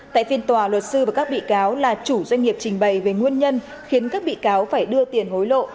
tại phiên tòa luật sư và các bị cáo là chủ doanh nghiệp trình bày về nguyên nhân khiến các bị cáo phải đưa tiền hối lộ